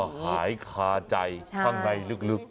หายคาใจข้างในลึก